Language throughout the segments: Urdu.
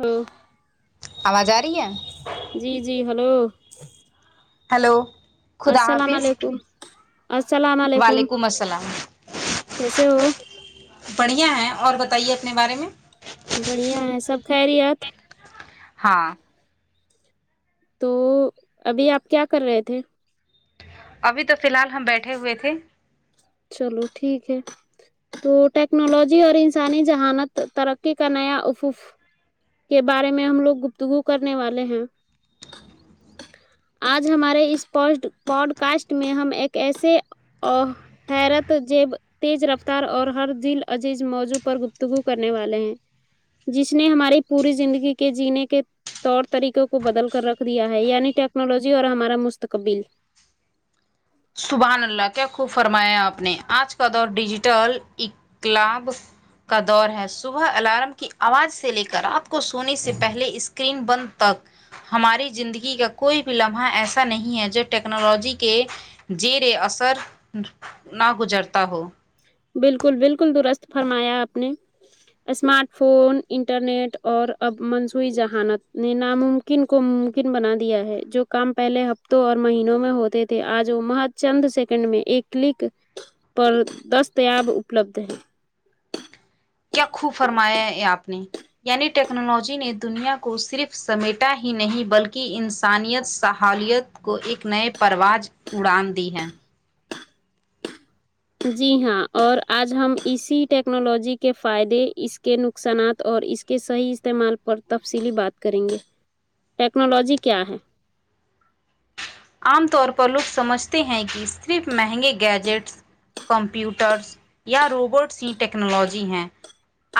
ہم آواز آ رہی ہیں جی جی ہیلو ہیلو خدا السلام حافظ علیکم السلام علیکم وعلیکم السلام کیسے ہو بڑھیا ہیں اور بتائیے اپنے بارے میں بڑھیا ہے سب خیریت ہاں تو ابھی آپ کیا کر رہے تھے ابھی تو فی الحال ہم بیٹھے ہوئے تھے چلو ٹھیک ہے تو ٹیکنالوجی اور انسانی ذہانت ترقی کا نیا افوف کے بارے میں ہم لوگ گفتگو کرنے والے ہیں [inaudible] آج ہمارے اس پو پوڈ کاسٹ میں ہم ایک ایسے حیرت جیب تیز رفتار اور ہر دل عزیز موضوع پر گفتگو کرنے والے ہیں جس نے ہماری پوری زندگی کے جینے کے طور طریقوں کو بدل کر رکھ دیا ہے یعنی ٹیکنالوجی اور ہمارا مستقبل سبحان اللہ کیا خوب فرمایا آپ نے آج کا دور ڈیجیٹل کلابھ کا دور ہے صبح الارم کی آواز سے لے کر رات کو سونے سے پہلے اسکرین بند تک ہماری زندگی کا کوئی بھی لمحہ ایسا نہیں ہے جو ٹیکنالوجی کے جیر اثر نہ گزرتا ہو بالکل بالکل درست فرمایا آپ نے اسمارٹ فون انٹرنیٹ اور اب منصوعی ذہانت نے ناممک کو ممکن بنا دیا ہے جو کام پہلے ہفتوں اور مہینوں میں ہوتے تھے آج وہ مہت چند سیکنڈ میں ایک کلک پر دستیاب اپلبدھ ہے کیا خوب فرمایا ہے یہ آپ نے یعنی ٹیکنالوجی نے دنیا کو صرف سمیٹا ہی نہیں بلکہ انسانیت صاحالیت کو ایک نئے پرواز اڑان دی ہے جی ہاں اور آج ہم اسی ٹیکنالوجی کے فائدے اس کے نقصانات اور اس کے صحیح استعمال پر تفصیلی بات کریں گے ٹیکنالوجی کیا ہے عام طور پر لوگ سمجھتے ہیں کہ صرف مہنگے گیجیٹس کمپیوٹرس یا روبوٹس ہی ٹیکنالوجی ہیں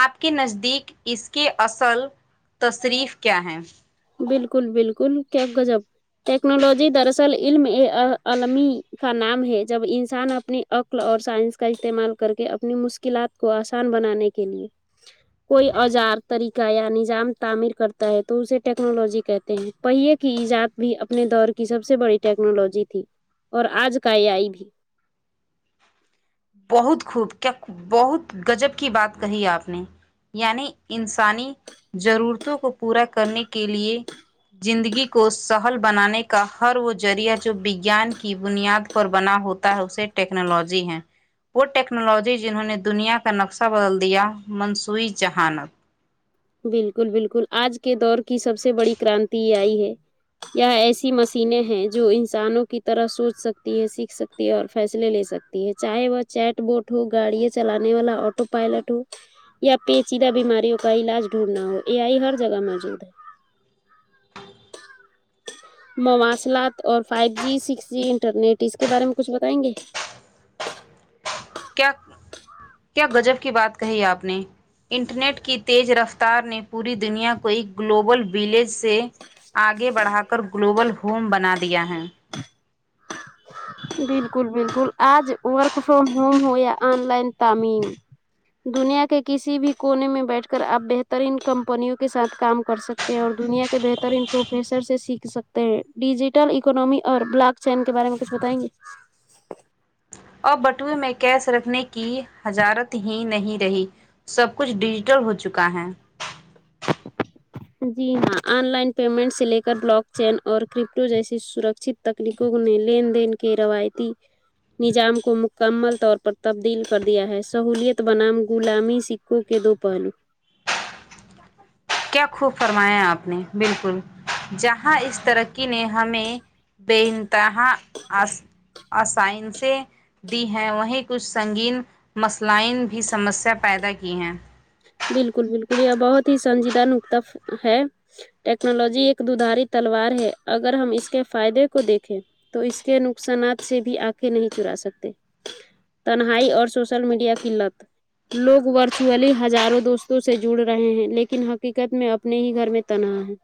آپ کے نزدیک اس کے اصل تصریف کیا ہیں بالکل بالکل کیا گجب ٹیکنالوجی در اصل علم عالمی کا نام ہے جب انسان اپنے عقل اور سائنس کا استعمال کرکے اپنی مشکلات کو آسان بنانے کے لیے کوئی اوزار طریقہ یا نظام تعمیر کرتا ہے تو اسے ٹیکنالوجی کہتے ہیں پہیے کی ایجاد بھی اپنے دور کی سب سے بڑی ٹیکنالوجی تھی اور آج کا یہ اے آئی بھی بہت خوب کیا بہت گجب کی بات کہی آپ نے یعنی انسانی ضرورتوں کو پورا کرنے کے لیے زندگی کو سہل بنانے کا ہر وہ ذریعہ جو وگیان کی بنیاد پر بنا ہوتا ہے اسے ٹیکنالوجی ہے وہ ٹیکنالوجی جنہوں نے دنیا کا نقشہ بدل دیا منصوعی ذہانت بالکل بالکل آج کے دور کی سب سے بڑی کرانتی یہ آئی ہے یہ ایسی مشینیں ہیں جو انسانوں کی طرح سوچ سکتی ہیں سیکھ سکتی اور فیصلے لے سکتی ہے چاہے وہ چیٹ بوٹ ہو گاڑیے چلانے والا آٹو پائلٹ ہو یا پیچیدہ بیماریوں کا علاج ڈھونڈنا ہو اے آ ئی ہر جگہ موجود ہے مواصلات اور five G six G internet اس کے بارے میں کچھ بتائیں گے کیا کیا گجب کی بات کہی آپ نے انٹرنیٹ کی تیز رفتار نے پوری دنیا کو ایک گلوبل ولیج سے آگے بڑھا کر گلوبل ہوم بنا دیا ہے بالکل بالکل آج وارک فرم ہوم ہویا آن لائن تعمیم دنیا کے کسی بھی کونے میں بیٹھ کر آپ بہترین کمپنیوں کے ساتھ کام کر سکتے ہیں اور دنیا کے بہترین پروفیسر سے سیکھ سکتے ہیں ڈیجیٹل اکنمی اور بلاک چین کے بارے میں کچھ بتائیں گے اور بٹوے میں کیس رکھنے کی حجارت ہی نہیں رہی سب کچھ ڈیجیٹل ہو چکا ہے جی ہاں آن لائن پیمنٹ سے لے کر بلاک چین اور کرپٹو جیسی سرکھت تکنیکوں نے لین دین کے روایتی نظام کو مکمل طور پر تبدیل کر دیا ہے سہولیت بنام غلامی کو کے دو پہلو کیا خوب فرمایا آپ نے بالکل جہاں اس ترقی نے ہمیں بے انتہا آسائشیں دی ہیں وہیں کچھ سنگین مسلائن بھی سمسیا پیدا کی ہیں بالکل بالکل یہ بہت ہی سنجیدہ نکتا ہے ٹیکنالوجی ایک دو دھاری تلوار ہے اگر ہم اس کے فائدے کو دیکھیں تو اس کے نقصانات سے بھی آنکھیں نہیں چرا سکتے تنہائی اور سوشل میڈیا کی لت لوگ ورچولی ہزاروں دوستوں سے جڑ رہے ہیں لیکن حقیقت میں اپنے ہی گھر میں تنہا ہے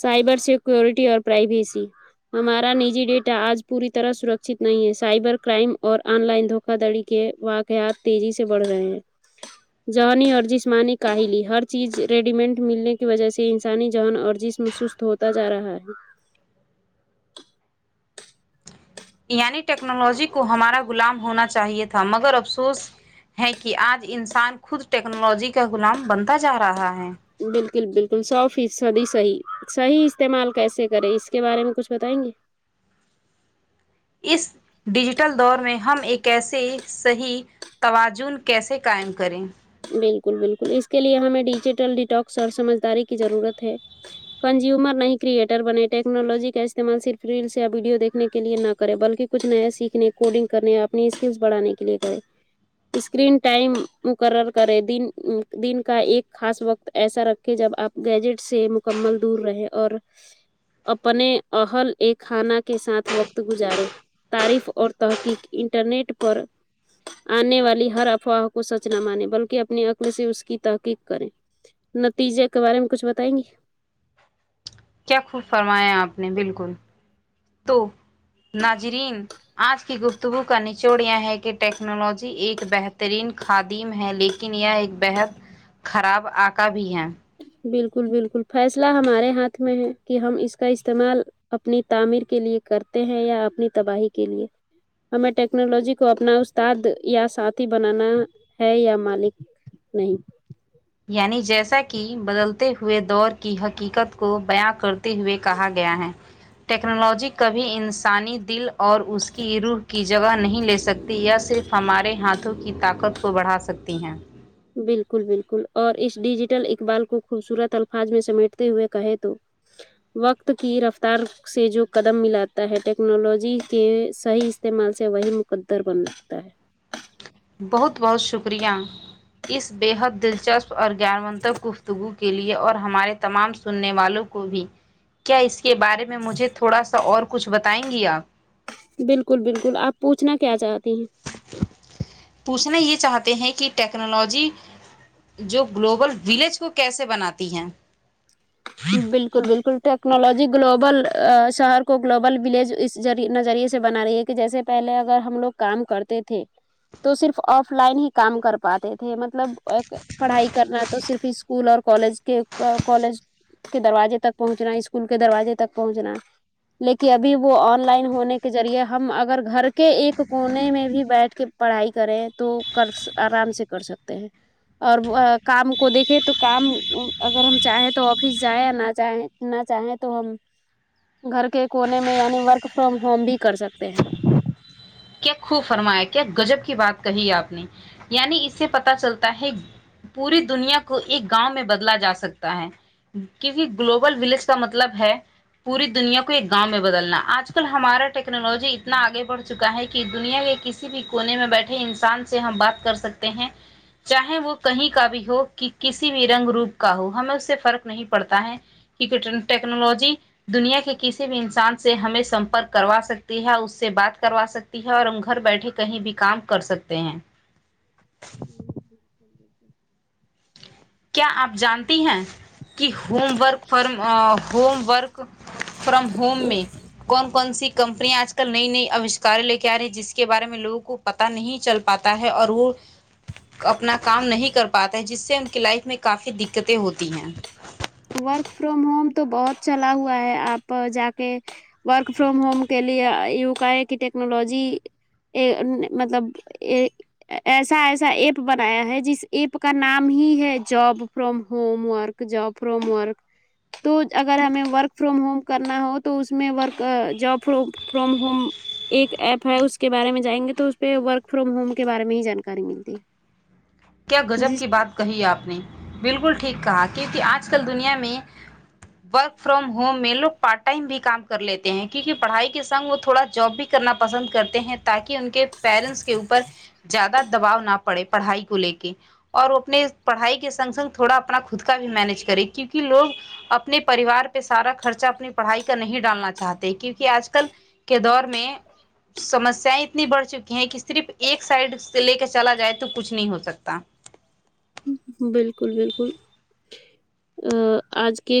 سائبر سیکورٹی اور پرائیویسی ہمارا نجی ڈیٹا آج پوری طرح سرکچت نہیں ہے سائبر کرائم اور آن لائن دھوکا دھڑی کے واقعات تیزی سے بڑھ رہے ہیں ذہنی اور جسمانی کاہلی ہر چیز ریڈیمنٹ ملنے کی وجہ سے انسانی ذہن اور جسم سست ہوتا جا رہا ہے یعنی ٹیکنالوجی کو ہمارا غلام ہونا چاہیے تھا مگر افسوس ہے کہ آج انسان خود ٹیکنالوجی کا غلام بنتا تا جا رہا ہے بالکل بالکل سو فیصدی صحیح صحیح استعمال کیسے کرے اس کے بارے میں کچھ بتائیں گے اس ڈیجیٹل دور میں ہم ایک کیسے صحیح توازون کیسے قائم کریں بالکل بالکل اس کے لیے ہمیں ڈیجیٹل ڈیٹاکس اور سمجھداری کی ضرورت ہے کنزیومر نہیں کریئٹر بنے ٹیکنالوجی کا استعمال صرف ریلس یا ویڈیو دیکنے کے لیے نہ کرے بلکہ کچھ نیا سیکھنے کوڈنگ کرنے اپنی اسکلس بڑھانے کے لیے کرے اسکرین ٹائم مقرر کریں دن کا ایک خاص وقت ایسا رکھیں جب آپ گیجٹ سے مکمل دور رہے اور اپنے اہل اے خانہ کے ساتھ وقت گزارے تعریف اور تحقیق انٹرنیٹ پر آنے والی ہر افواہ کو سچ نہ مانے بلکہ کہ اپنی عقل سے اس کی تحقیق کریں نتیجے کے بارے میں کچھ بتائیں گی کیا خوب فرمایا آپ نے بالکل تو ناجرین آج کی گفتگو کا نچوڑ یہ ہے کہ ٹیکنالوجی ایک بہترین خادیم ہے لیکن یہ ایک بےحد خراب آکا بھی ہے بالکل بالکل فیصلہ ہمارے ہاتھ میں ہے کہ ہم اس کا استعمال اپنی تعمیر کے لیے کرتے ہیں یا اپنی تباہی کے لیے ہمیں ٹیکنالوجی کو اپنا استاد یا ساتھی بنانا ہے یا مالک نہیں یعنی جیسا کہ بدلتے ہوئے دور کی حقیقت کو بیاں کرتے ہوئے کہا گیا ہے ٹیکنالوجی کبھی انسانی دل اور اس کی روح کی جگہ نہیں لے سکتی یا صرف ہمارے ہاتھوں کی طاقت کو بڑھا سکتی ہیں بالکل بالکل اور اس ڈیجیٹل اقبال کو خوبصورت الفاظ میں سمیٹتے ہوئے کہے تو وقت کی رفتار سے جو قدم ملاتا ہے ٹیکنالوجی کے صحیح استعمال سے وہی مقدر بن سکھتا ہے بہت بہت شکریہ اس بےحد دلچسپ اور گیان متک گفتگو کے کے لیے اور ہمارے تمام سننے والوں کو بھی کیا اس کے بارے میں مجھے تھوڑا سا اور کچھ بتائیں گی آپ بالکل بالکل آپ پوچھنا کیا چاہتی ہیں پوچھنا یہ چاہتے ہیں کہ ٹیکنالوجی جو گلوبل ولیج کو کیسے بناتی ہیں بالکل بالکل ٹیکنالوجی گلوبل شہر کو گلوبل ولیج اس نظریے سے بنا رہی ہے کہ جیسے پہلے اگر ہم لوگ کام کرتے تھے تو صرف آف لائن ہی کام کر پاتے تھے مطلب ایک پڑھائی کرنا تو صرف اسکول اور کالج کے کالج کے دروازے تک پہنچنا اسکول کے دروازے تک پہنچنا لیکن ابھی وہ آن لائن ہونے کے ذریعے ہم اگر گھر کے ایک کونے میں بھی بیٹھ کے پڑھائی کریں تو کر آرام سے کر سکتے ہیں اور کام کو دیکھے تو کام اگر ہم چاہیں تو تو آفس جائیں نہ چاہیں نہ چاہیں تو ہم گھر کے کونے میں یعنی ورک فرام ہوم بھی کر سکتے ہیں کیا خوب فرمایا کیا گجب کی بات کہی آپ نے یعنی اس سے پتا چلتا ہے پوری دنیا کو ایک گاؤں میں بدلا جا سکتا ہے کیو گلوبل ولیج کا مطلب ہے پوری دنیا کو ایک گاؤ میں بدلنا اج کل ہمارا ٹیکنالوجی اتنا اگے بڑھ چکا ہے کہ دنیا کے کسی بھی کونے میں بیٹھے انسان سے ہم بات کر سکتے ہیں چاہے وہ کہیں کا بھی ہو کہ کسی بھی رنگ روپ کا ہو ہمیں اس سے فرق نہیں پڑتا ہے کیک ٹیکنالوجی دنیا کے کسی بھی انسان سے ہمیں سپرک کروا سکتی ہے اس سے بات کروا سکتی ہے اور ہم گھر بیٹھے کہیں بھی کام کر سکتے ہیں کیا آپ جانتی ہیں کہ home work from home work from home میں کون کون سی کمپنییا آج آج کل نئی نئی آوشکار لے کے آ رہی ہیں جس کے بارے میں لگوں کو پتا نہیں چل پاتا ہے اور وہ اپنا کام نہیں کر پاتا جس سے ان کی لائف میں کافی دقتیں ہوتی ہیں ورک فرم ہوم تو بہت چلا ہوا ہے آپ جا کے ورک فرام ہوم کے لیے یہ کا کہ ٹیکنالوجی ایں مطلب ایں ایسا ایسا ایپ بنایا ہے جس ایپ کا نام ہی ہے job from home work job پرومورک تو اگر ہمیں ورک فرام ہوم کرنا ہو تو اس میں ورک جاب فرام ہوم ایک ایپ ہے اس کے بارے میں جائیں گے تو اس پہ ورک فروم ہوم کے بارے میں ہی جانکاری ملتی کیا گجب جی کی بات کہی آپ نے بالکل ٹھیک کہا کیونکہ آج کل دنیا میں ورک فرام ہوم میں لوگ پارٹ ٹائم بھی کام کر لیتے ہیں کیونکہ پڑھائی کے سنگ وہ تھوڑا جاب بھی کرنا پسند کرتے ہیں تاکہ ان کے پیرنٹس کے اوپر زیادہ دباؤ نہ پڑے پڑھائی کو لے کے اور وہ اپنے پڑھائی کے سنگ سنگ تھوڑا اپنا خود کا بھی مینج کرے کیونکہ لوگ اپنے پریوار پہ سارا خرچہ اپنی پڑھائی کا نہیں ڈالنا چاہتے کیونکہ آج کل کے دور میں سمسیائیں اتنی بڑھ چکی ہیں کہ صرف ایک سائڈ سے لے کے چلا جائے تو کچھ نہیں ہو سک تا بالکل بالکل ا آج کے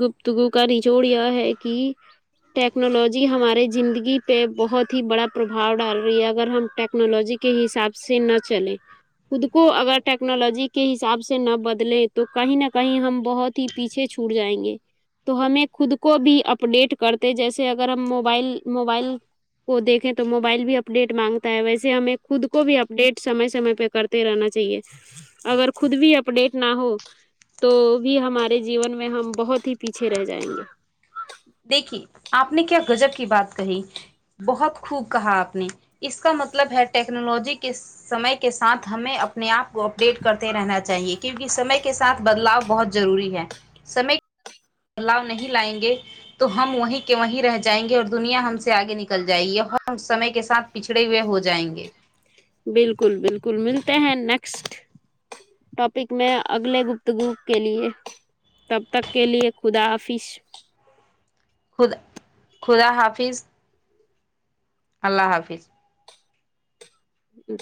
گپتگو کا نچوڑ یہ ہے کہ ٹیکنالوجی ہمارے زندگی پہ بہت ہی بڑا پرباؤ ڈال رہی ہے اگر ہم ٹیکنالوجی کے حساب سے نہ چلے خود کو اگر ٹیکنالوجی کے حساب سے نہ بدلے تو کہیں نہ کہیں ہم بہت ہی پیچھے چھوٹ جائیں گے تو ہمیں خود کو بھی اپڈیٹ کرتے جیسے اگر ہم موبائل موبائل کو دیکھیں تو موبائل بھی اپڈیٹ مانگتا ہے ویسے ہمیں خود کو بھی اپڈیٹ سمے سمے پہ کرتے رہنا چاہیے اگر خود بھی اپڈیٹ نہ ہو تو بھی ہمارے جیون میں ہم بہت ہی پیچھے رہ جائیں گے دیکھیے آپ نے کیا گزب کی بات کہی بہت خوب کہا آپ نے اس کا مطلب ہے ٹیکنالوجی کس سمے کے ساتھ ہمیں اپنے اپنے آپ کو اپڈیٹ کرتے رہنا چاہیے کیونکہ سمے کے ساتھ بدلاؤ بہت ضروری ہے سمے بلاؤ نہیں لائیں گے تو ہم وہیں کے وہیں رہ جائیں گے اور دنیا ہم سے آگے نکل جائے گی اور سمے کے ساتھ پچھڑے ہوۓ ہوجاۓنگے بالکل بالکل ملتے ہیں نیکسٹ ٹاپک میں اگلے گپتگو کے لئے تب تک کے لیے خدا آافس خدا خدا حافظ اللہ حافظ ج